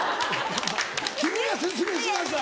君が説明しなさい。